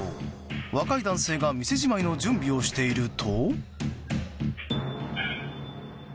若い男性が店じまいの準備をしていると。